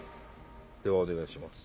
ではお願いします。